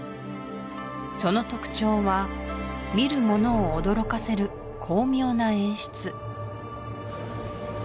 その特徴は見る者を驚かせる巧妙な演出